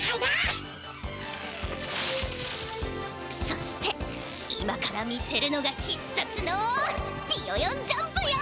そして今から見せるのがひっさつのビヨヨンジャンプよ！